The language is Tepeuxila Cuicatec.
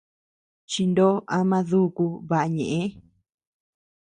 Chinoo ama duku baʼa ñeʼë.